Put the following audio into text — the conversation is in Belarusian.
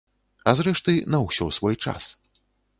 А зрэшты, на ўсё свой час.